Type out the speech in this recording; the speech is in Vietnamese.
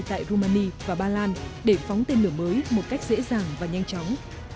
hệ thống triển khai tại rumani và ba lan để phóng tên lửa mới một cách dễ dàng và nhanh chóng